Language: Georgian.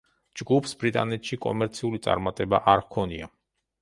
ჯგუფს ბრიტანეთში კომერციული წარმატება არ ჰქონია.